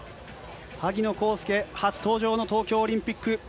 萩野公介、初登場の東京オリンピック。